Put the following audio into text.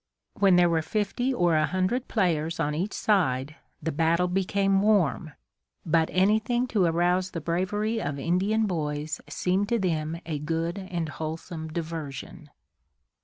When there were fifty or a hundred players on each side, the battle became warm; but anything to arouse the bravery of Indian boys seemed to them a good and wholesome diversion.